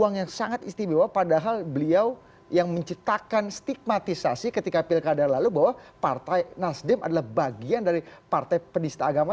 ruang yang sangat istimewa padahal beliau yang menciptakan stigmatisasi ketika pilkada lalu bahwa partai nasdem adalah bagian dari partai penista agama